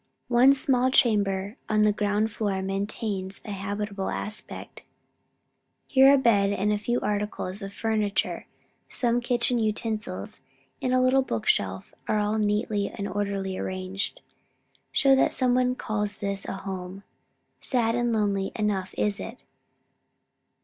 One small chamber, on the ground floor, maintains a habitable aspect. Here a bed and a few articles of furniture, some kitchen utensils and a little bookshelf, all neatly and orderly arranged, show that some one calls this a home! Sad and lonely enough is it!